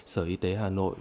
sở y tế hà nội